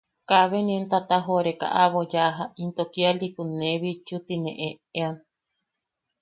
Kabe nien tatajoʼoreka aʼabo yaja into kialikun ne bitchu tine eʼean.